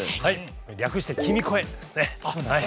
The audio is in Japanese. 略して「君声」ですね。